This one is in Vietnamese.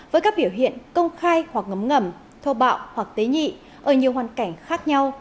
với các biểu hiện công khai hoặc ngấm ngẩm thô bạo hoặc tế nhị ở nhiều hoàn cảnh khác nhau